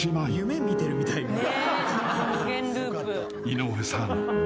［井上さん］